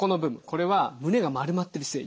これは胸が丸まってる姿勢。